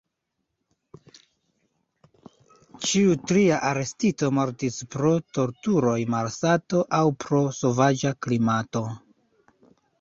Ĉiu tria arestito mortis pro torturoj, malsato aŭ pro sovaĝa klimato.